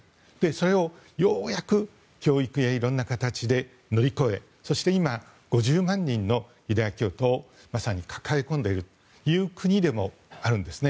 それをようやく教育やいろんな形で乗り越え今、５０万人のユダヤ教徒を抱え込んでいる国でもあるんですね。